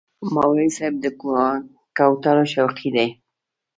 مولوي صاحب د کوترو شوقي دی.